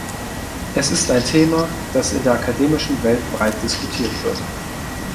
Es ist ein Thema, das in der akademischen Welt breit diskutiert wird.